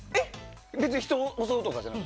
別に人を襲うとかじゃなく？